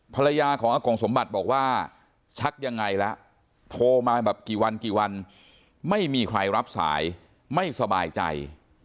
ภรรยาของอากงสมบัติบอกว่าชักยังไงละโทรมาแบบกี่วันกี่วันไม่มีใครรับสายไม่สบายใจ